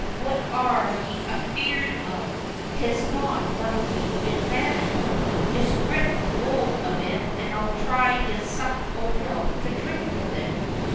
*'What are ye a feared of? 'Tis naught but a wee bit bannock. Just grip hold o' it, and I'll give ye a sup o' milk to drink with it."